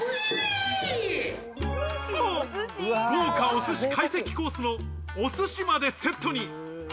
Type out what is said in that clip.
そう、豪華お寿司会席コースのお寿司までセットに。